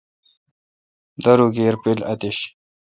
دروکیر پیل اتش۔